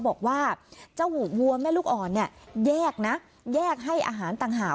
บอกว่าเจ้าหูวัวแม่ลูกอ่อนเนี่ยแยกนะแยกให้อาหารต่างหาก